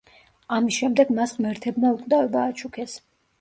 ამის შემდეგ მას ღმერთებმა უკვდავება აჩუქეს.